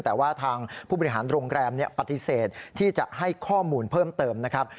แต่ว่าทางผู้บริหารโรงแรมปฏิเสธที่จะให้ข้อมูลเพิ่มเติมนะครับ